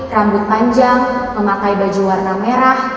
rambut panjang memakai baju warna merah